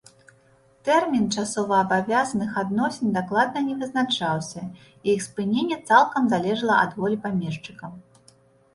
Тэрмін часоваабавязаных адносін дакладна не вызначаўся, іх спыненне цалкам залежала ад волі памешчыка.